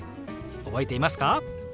覚えていますか？